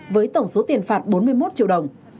với tổng số tiền phạt bốn mươi một triệu đồng